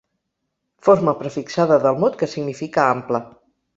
Forma prefixada del mot que significa ample.